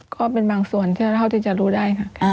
ก็เป็นบางส่วนแน่แค่เราที่จะรู้ได้